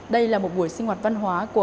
đây là một buổi sinh hoạt văn hoá